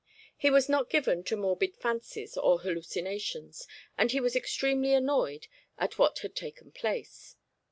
He was not given to morbid fancies or hallucinations, and he was extremely annoyed at what had taken place.